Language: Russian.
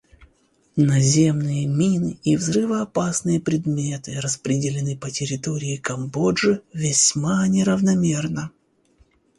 Наземные мины и взрывоопасные предметы распределены по территории Камбоджи весьма неравномерно.